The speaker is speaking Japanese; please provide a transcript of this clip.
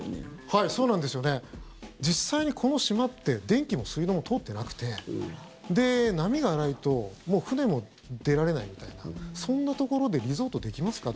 はいそうなんですよね。実際に、この島って電気も水道も通ってなくて波がないともう船も出られないみたいなそんなところでリゾートできますか？